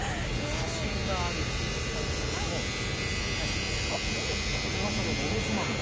写真があるということなんですけれども花耶さんの写真